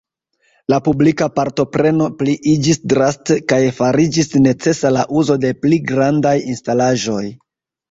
La publika partopreno pliiĝis draste kaj fariĝis necesa la uzo de pli grandaj instalaĵoj.